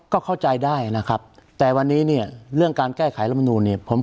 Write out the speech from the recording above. ก็เข้าใจได้นะครับแต่วันนี้เนี่ยเรื่องการแก้ไขรัฐมนูลเนี่ย